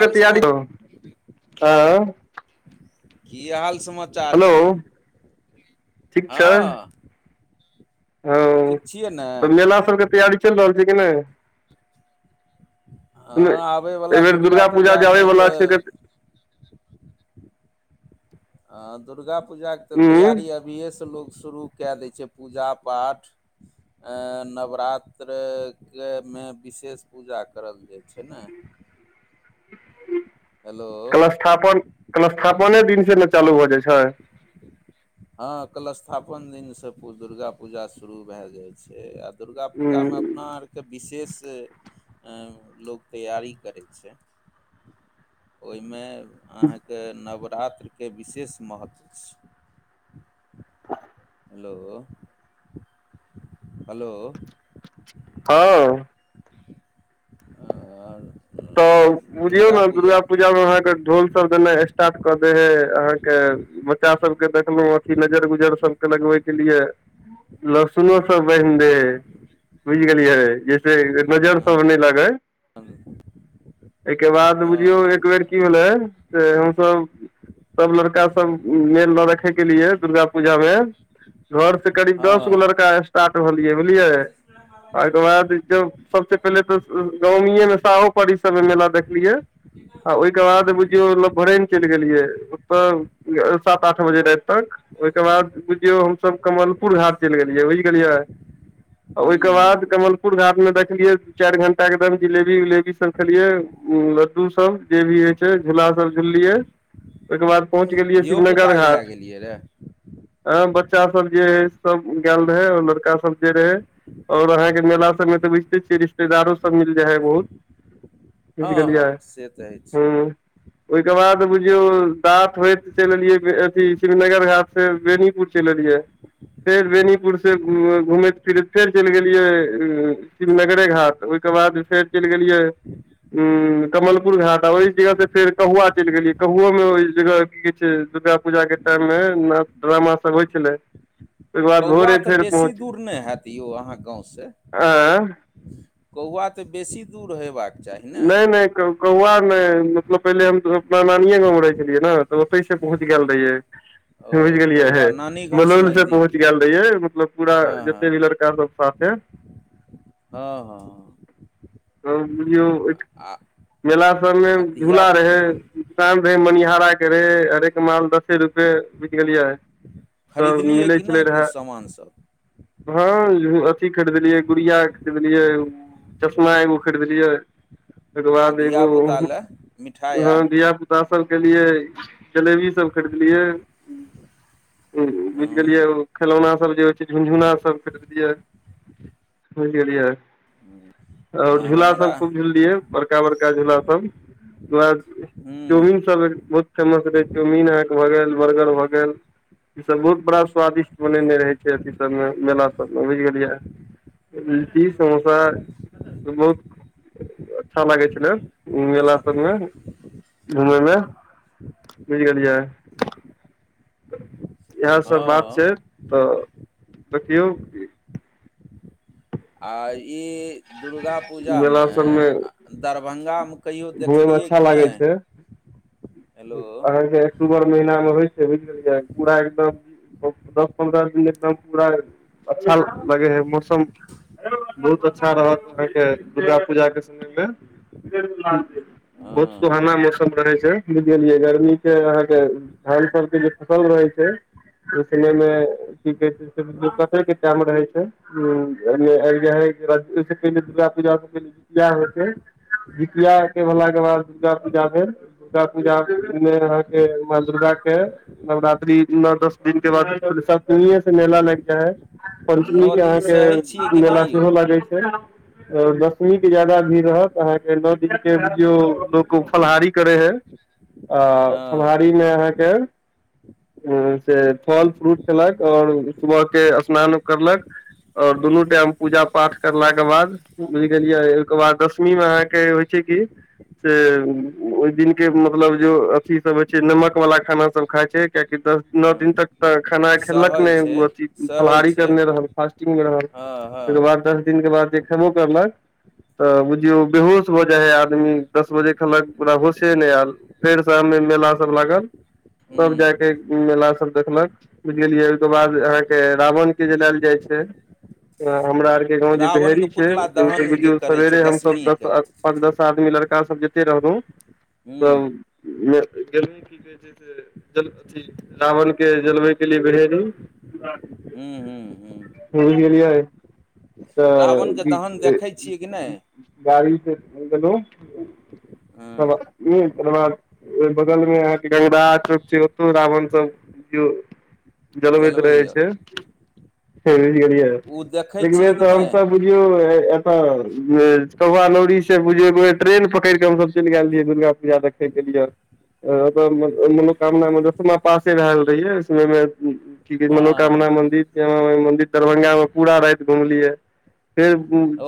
हाल कते समा आदि हौ ऐं की हाल समाचार छै ठीक छै हँ हँ ठीक छियै ने तऽ मेला सभके तैयारी चलि रहल छै कि नहि सुन हँ एहि आबयवला बेेर दुर्गा पूजा जे पूजामे अबयवला छै से तऽ त ह दुर्गा पूजाके तऽ उंम्म तैयारी अभियेसे शुरू कै दैछै पुजा पाठ अं नवरात्र के मे विशेष पूजा करल जाइ छै ने हेलो कलशथापन कलशथापने दिन से चालू भ जाई छै हँ कलशथापन दिनसँ दुर्गा पूजा शुरू भए जाइ छै दुर्गापूजामे उंम्म अपना आरके विशेष अं लोक तैयारी करैत छै ओई मे अहां के नव रात्रके विशेष महत्व छै हेलो हेलो हँ आर तऽ बुझियौ ने दुर्गा पूजामे अहाँके ढोलसभ देनाइ स्टार्ट कऽ देै हय अहाँके बच्चा सभ के देखलहुं अथि नजर गुजर सबके लगबै के लिए लहसुनो सब बान्हि देहै बुझि गेलियै जैसे नजरसभ नहि लागै एहिके बाद हँ बुझियौ एक बेेर की भेलै से हमसब सब लड़का सब मेल न रखेके लिए दुर्गा पूजामे घर से करीब दस गो हँ लड़का स्टार्ट भेलियै बुझलियै एहिके बाद ज सबसे पहिले तऽ नवमी ये बरी समय मे मेला देखलियै त ओहि के ह बाद चलि गेलियै ओ सात आठ बजे रात तक ओहिके बाद बुझियौ हमसब कमल पुल घाट चलि गेलियै बुझि गेलियै ओहिके ह बाद कमलपुर घाट मे देखलियै दू चार घंटादम जिलेबी उलेबी सब खेलिये उ लड्डू सब जे भी होय छै झूला सब झूलिये ओहिके बाद पहुँच गेलियै शिवनगर धियोपुताके लए घाट गेलियै रे अ बच्चा सब जे हे सब ग रहे और लड़का सब जे रहे ओर अहाँके मेला सभमे तऽ बुझिते छियै रिश्तेदारोसब मिल जाइ है बहुत बुझि हाँ गेलियै हाँ से तऽ अइछ हूँ ओहिके बाद बुझियो दत होइत चलि एलए अथ श्रवनगर हाट से बेनीपुर चलि एलियै के फेर बेनीपुर से हँ घुमैत फिरैत फेर चलि गेलियै शिवनगरे घाट ओके बाद फेर चल गेलियै उ कमलपुर घाट आ ओहि जगह से फेर कौआ चलि गेलियै कौओ मे ओहि जगह की कहै छै दुर्गा पूजा के टाइम मे ना ड्रामा सब होइ छलै ओहिके बाद कौआ भोरे तऽ फेर बेसी पहुँच दूर नहि हैत यौ अहाँके गाँवसे आँ कौआ तऽ बेसी दूर हयबाक नहि नहि कौआ मतलब पहिले हम अपना नानीए गाँवमे रहै छलियै ने तऽ ओतहि से पहुँच गेल रहियै ओ बुझ गेलियै हे कौआ नानी गाँवसँ मनोन से नजदीक पहुँच यए गेल रहियै मतलब पूरा हँ हँ जते भी लड़का सब साथे हाँ हाँ बुझलियौ मेला सबमे आ झूला रहे धियापुता तबे मनि ड़ा के रे हरेक माल दसे रूपे बुझ गेलियै सब खरीदलियै मिलै कि नहि कुछ सामानसब हाँ अथी खरीदलियै गुड़िया खरीदलियै ना एगो खरीदलियै ओ आ बाद एगो धियापुता लए मिठाइ ह आर धिया पुता सब केलिय जलेबी सब खरीदलियै ह्म्म बुझि गेलियै हँ ओ खेलौनासब जे होइ छै झुनझुनासब खरीदलियै बुझ गैलियै आ ओर हमरा झूलाासब खूब झुनलियै बड़का बड़का झूलासब ओ हूँ चाउमीनसब बहुत फेमस रहै चाउमीन अहाँके भऽ गेल बर्गर भऽ गेल ईसब बहुत बड़ा स्वादिष्ट बनेने रहै छै अथ सबमे मेला सबमे बुझि गेलै लिट्टी समोसा त बहुत अच्छा लागै छलै मेला पीछाँ सबमे घुमयमे बुझ गेलियै इएहसब बात छै हँ तऽ देखियौ कि आ ई दुर्गा मेला पूजामे सबमे दरभंगा घुमय मे अच्छा लागै छै हेलो अहाँके अक्टूबर महीना मे होइ छै बुझ गेलियै पूरा एकदम दस पन्द्रह दिन एकदम पूरा अच्छा लगे है मौसम बहुत अच्छा रहत अहाँके दुर्गा पूजाके समयमे बहुत हँ सुहाना मौसम रहे छै बुझ गेलियै गर्मी के अहाँ के धान सबर के जे फसल रहै [unintelligible] सुनय मे की कहै छै क के टाइम रहे छै आबि जा हय दुर्गा पूजा किया होइ छै ये भेलाके बाद दुर्गा पूजा भेल दुर्गा पूजामे अहाँके माँ दुर्गाके नवरात्रि नौ दस दिन के बाद सप्तमीये से मेला लागि जाय पञ्चमी नओ के दिन सहै छियै अहाँके कि मेला नहि यौ सेहो लागैत छै दसवीं के ज्यादा भीड़ रहत अहाँके न जो लोगो फलहारी करे हैय आ हँ फलाहारीमे अहाँके ह से फल फ्रूट खेलक आओर सुबह के स्नान करलक और दुनू टाइम पूजा पाठ करलाक के बाद बुझि गेलियै ओहिके बाद दशमी मे अहाँके होइ छै की से ओहि दिन के मतलब जो अथी सब होइ छै नमक वाला खाना सब खााय छै कियाकि दस नओ हँ दिन तक तऽ खेनाइ खेलक सहै छै नहि अथी सहै फलाहारी छै करने रहल फास्टिंग मे रहल हँ हँ तहिके बाद हँ दस दिनक बाद देखेबो करलक तऽ बुझियौ बेहोश भऽ जाइ हय आदमी दस बजे कहलक ओकरा होशे नहि आयल फेरसँ शाम मेला सब लागल हू तब [inaudible] जाके मेला सब देखलक बुझि गेलियै ओहिके बाद अहाँके रावण के जलायल जाइ छै ह हमरा आरके गाँव जे रावणके बहेरी छै पुतला दहन जे बुझियौ करै छै सबेरे हम सब दस दशमीके पाँच दस आदमी लड़ का सब जते रहलहु त हूँ गेलहु की कहै छै से रावण के जलबै के लिए बेर एलु हूँ हूँ हूँ [unintelligible] गेलियै रावणके तऽ दहन देखै छियै कि नहि गाड़ीसँ गेलौं हब हँ ई त [unintelligible] बगलमे गंगराह चौक छै ओतौ रावण सब बुझियौ जलबैत रहै जलबैया छै बुझि गेलियै ओ देखै एक छियै कि तऽ नहि हमसब बुझियौ एतय चौवा लौड़ी से बुझियौ एक बेर ट्रेन पकड़ि के हमसभ चलि गेल रहियै दुर्गा पूजा देख ल य [unintelligible] अत मनोकामना म दसमा पासे भेएल रहियैय की कहै छै मनोकामना हँ मन्दिर श्यामा माइ मन्दिर दरभङ्ंगामे पूरा राति घुमलियै फेर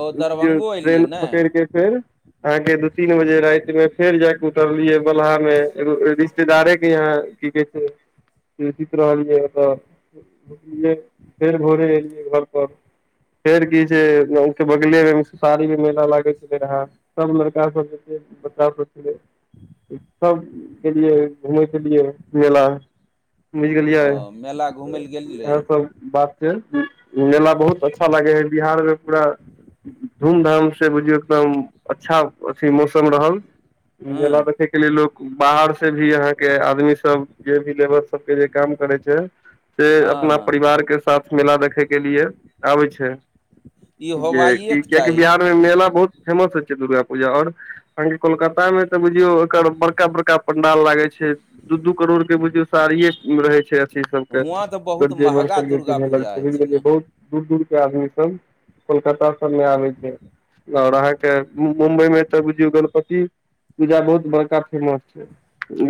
ओ जे दरभंगो एलियै ट्रेन ने पकड़ि के फेर अहाँके दू तीन बजे राति में फेर जायक उतरलियै बलहा मे एगो रिश्तेदारे के यहाँ की कहै छै इसी तरह एलियै फेर भोरे एलियै घर पर फेर की छै के बगले मे सु साारी मे मेला लागैत छले रहे सब लड़का सब बताब सै सब गेलियै घूमैय के लिए मेला बुझि गेलियै ओ मेला घूमय लए गेल इएह रही सब बात छै मेला बहुत अच्छा अच्छा लगे है बिहार मे पूरा धूमधामसँ बुझियौ एकदम अच्छा अथि मौसम रहल हँ मेला देखे के लिए लोक बाहर से भी यहाँके आदमी सब जे भी लेबर सबके जे काम करै छै से हँ अपना हँ परिवार के साथ मेला देखे के लिए आबै छै ई जे क होबाइएके कियाकि चाही बिहारमे मेला बहुत फेमस होय छैे दुर्गा पूजा और कोलकाता मे ते बुझियो एकर बड़का बड़का पंडाल लागै छै दू दू करोड़ के बुझिऔ साड़िये रहै छै अच्छा सब हुआँ तऽ के बहुत जेबर महगा सब दुर्गा भए पूजा होइ छै बुझै ने बहुत दूर दूर के आदमी सब कोलकाता सब मे आबे छै आओर अहाँके मुम्बइमे तऽ बुझियौ गणपति पूजा बहुत बड़का फेमस छै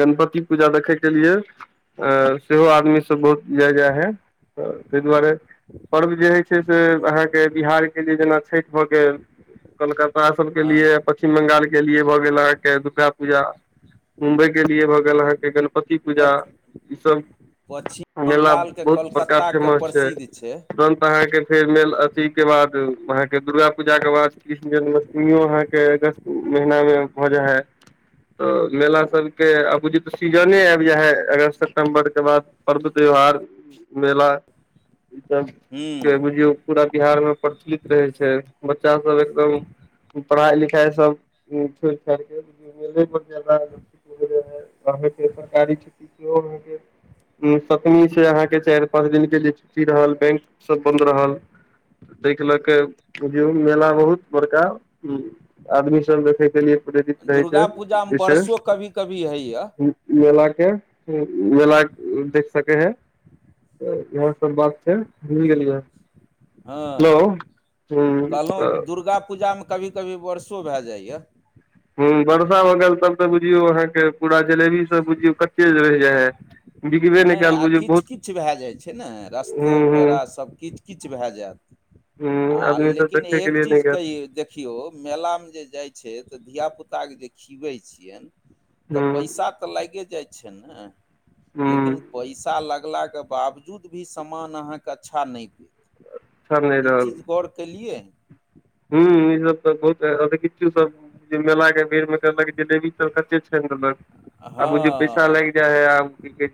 गणपति पूजा देखैय के लिए अ सेहो आदमी सब बहुत जाय जाय है त ताहि दुआरे पर्व जे होइ छै से अहाँके बिहारके लिए जेना छइठ भऽ गेल कलकत्ता सबके हँ लिए पश्चिम बंगालके लिए भऽ गेल अहाँके दुर्गा पूजा मुम्बइके लिए भऽ गेल अहाँके गणपति पूजा पच ईसब पश्चिम मेला बंगालके बहुत बड़का कोलकाताके फेमस छै प्रसिद्ध तुरन्त अहाँके फेर मेल अथीके बाद अहाँके दुर्गा पूजाके बाद कृष्ण जन्माष्टमियो अहाँके अगस्त महिनामे भ जाई है तऽ मेला सबके आबू जे तऽ सीजने आबि जाय है अगस्त सितम्बर के बाद पर्व त्यौहार मेला [inaudible] ई सब हूँ के बुझियौ पूरा बिहार मे प्रचलित रहै छै बच्चा सब एकदम पढ़ाई लिखाई सब छोड़ छाड़ के मेजा है सरकारी क्ष वहके सतमीसे अहाँके चार पाँच दिन जे छुट्टी रहल बैंकसब बन्द रहल ताहिके लऽ कऽ बुझियौ मेला बहुत बड़का ह्म आदमी सब देखैके लिए प्रेरित रहै छै दुर्गा पूजामे विशेष वर्षो कभी कभी होइए मेला मेला देख सकै हैय सब बात छै भुल गेलियै हेलो हाँ हूँ तऽ कहलहुँ दुर्गा पूजामे कभी कभी वर्षो भए जाइए हाँ वर्षा भऽ गेल तब तऽ बुझियौ अहाँके पूरा जलेबी सब बुझियौ कते रहि जाइ हइ नहि आ किच किछ भए जाइ छै ने रस्तो हूँ हूँ पेड़ासब किच किच भए जायत हूँ आ आदमी सब लेकिन देखे के एक लिए नहि चीज गेल कहियौ देखियौ मेलामे जे जाइ छै धियापुताके जे खिबै छियनि हूँ तऽ पैसा तऽ लागे जाइ छै ने हूँ लेकिन पैसा लगलाक के बावजूद भी समान अहाँके अच्छा नहि देत सब ई चीज गौर केलियै ह ई सब तऽ बहुत अ किछु सब मेला के भीड़ मे कहलक जिलेबी [unintelligible] छै मतल आब मुे पैसा हँ लागि जाय है आ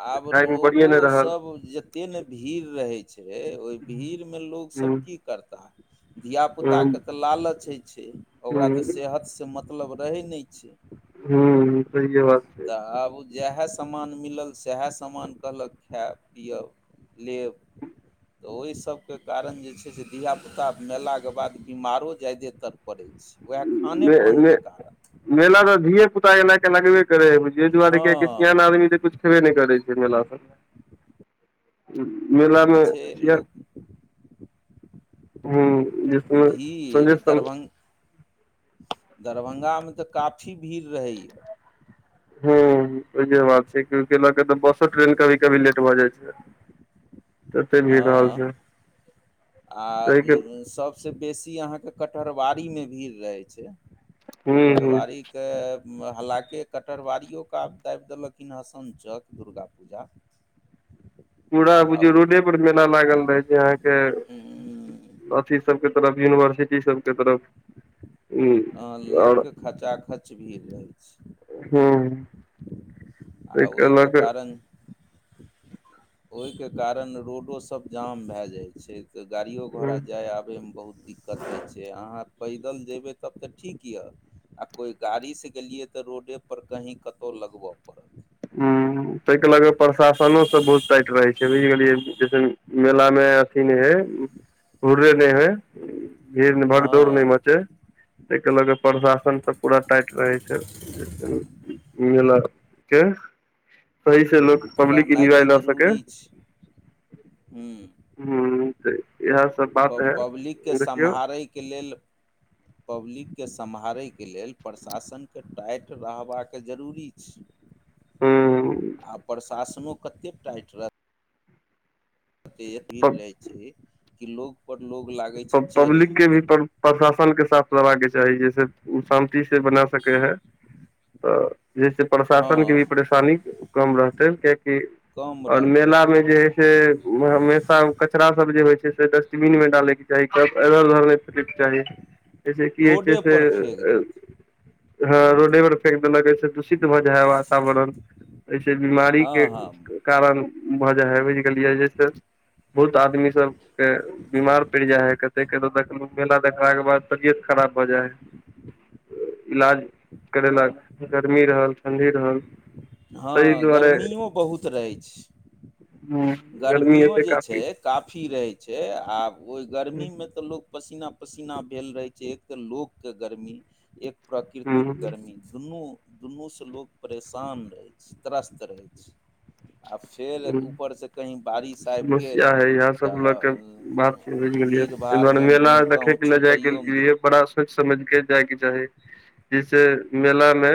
आब लोगो सब जते ने भीड़ रहै छै ओहि भीड़ मे लोग लोक सब हूँ की करता हूँ धियापुताके तऽ लालच होइ छै ओकरा तऽ हूँ सेहतसे मतलब रहै नहि छै हू सहए बात छै तऽ आब जएह समान मिलल सएह समान कहलक खायब पीयब लेब तऽ ओहिसबके कारण जे छै से धियापुता मेलाके बाद बीमारो जायदेतर पड़ै छै उएह खाने पानके कारण ए के लगबे करे है दुआरे हँ सियान आदमी तऽ कुछ खेबे नहि करै छै मेला से आब मेलामे जे छै छ लोक ह्म जसमे भीड़ संगे दरभं दरभंगामे तऽ काफी भीड़ रहैए हूँ इहे बात भ जा छै हू आ ताहिके सबसे बेसी अहाँके कटहरबारीमे भीड़ रहै छै हूँ हूँ कटहरबारीके हलाकि कटहरवारियो क आ दाबि देलखिन हसन चौक दुर्गा पूजा [inaudible] [unintelligible] चूड़ा आ बुज ओ रोडे लागल रह छै अहाँके उम्म, अथी सबके तरफ यूनिवर्सिटी सबके तरफ हूँ हाँ आओर लोकके खचा खच भीड़ रहै छै हूँ आ ताहिके लऽ ओहिके के कारण ओहिके कारण रोडो सब जाम भए जाइ छै तऽ गाड़ियो घोड़ा हूँ जाय आबे मे बहुत दिक्कत नहि छै अहाँ पैदल जयबै तब तऽ ठीक यए आ कोइ गाड़ीसँ गेलियै तऽ रोडेपर कहीँ कतहु लगब पड़त ह तइके लऽ कऽ प्रशाासनो सब बहुत टाइट रहै छै बुझि गेलियै जैसे मेला मे अथी नहि हैय हुरे नहि हैय भीड़ भगदौड़ नहि हँ मचै ताहिके लऽ कऽ प्रशासन सब पूरा टाइट रहै छै मिलल के सही से लोक पब्लिक रहनाइ इन्जॉय तऽ ल सकेै जरूरी छै ह हू तऽ इएह सब प बात है पब्लिककेँ देखियौ सम्हारयके लेल पब्लिककेँ सम्हारैके लेल प्रशासनके टाइट रहबाक जरूरी छै हूं आ प्रशासनो कतेक टाइट रह बतयती रहै छैे कि लोग पर लोग लागै छै चढ़ि पब्लिकके भी जेतै प्रशासन के साथ देबाके चाही जैसे ओ शान्ति से बना सकै है [inaudible] तऽ जैसे हँ प्रशासन के भी परेशानी कम रहतै कियकि कम और रहतै मेला मे जे से हमेशा कचरा सब जे होइ छै डस्टबिन मे डालैके चाही क इधर उधर नहि फेकैके चाही जयस की होइ छै रोडे से पर फेेक देत ह रोडे पर फेेक देलक चित भऽ जाइ हैय वातावरण एहि से बीमारी हँ के हँ कारण भऽ जाइ हइ बुझि गेलियै जेस बहुत आदमी सबके पड़ जाइ है कते क देख मेला देखलाके बाद तबियत खराब भऽ जाय हैय इलाज करेलाक गर्मी रहल ठण्ढी रहल हँ ताहि दुआरे गर्मीओ बहुत रहै छै गर्मी गर्मीयो एते जे छै काफी काफी रहैत छै आब ओहि ह गर्मीमे तऽ लोक पसीना पसीना भेल रहै छै एक तऽ लोक के गर्मी एक प्राकृतिक ह गर्मी दुनू दुनूसँ लोक परेशान रहै छै त्रस्त रहै छै आ फेर ऊपर से समस्या हैय इएह सब लऽके बात बुझ तऽ गेलियै भीड़ तइ दुआरे मेला भाड़मे कहूँ देखेके जायके छुपैयोमे दिक्कत लिए बड़ा सोच समझ के जायके चाही जैेसे मेला मे